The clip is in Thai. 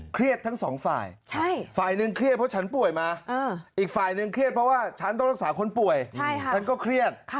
เครียดทั้งสองฝ่ายฝ่ายหนึ่งเครียดเพราะฉันป่วยมาอีกฝ่ายนึงเครียดเพราะว่าฉันต้องรักษาคนป่วยฉันก็เครียด